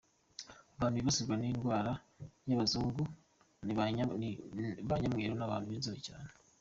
Abantu bibasirwa n’iyi ndwara ni Abazungu, ba Nyamweru n’abantu b’inzobe cyane.